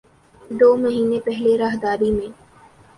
دو مہینے پہلے راہداری میں